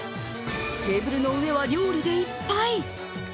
テーブルの上は料理でいっぱい！